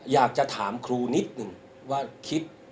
อยากจะถามครูนิดหนึ่งว่าคิด